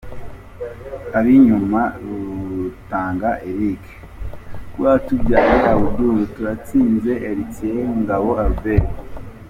Ab’inyuma: Rutanga Eric, Rwatubyaye Abdul, Turatsinze Hertier, Ngabo Albert.